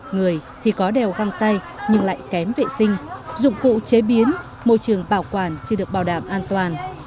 người thì có đeo găng tay nhưng lại kém vệ sinh dụng cụ chế biến môi trường bảo quản chưa được bảo đảm an toàn